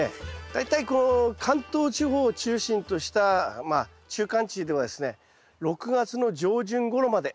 大体この関東地方を中心としたまあ中間地ではですね６月の上旬ごろまで。